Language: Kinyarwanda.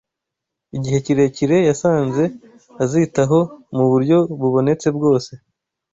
igihe kirekire yasanze azitaho mu buryo bubonetse bwose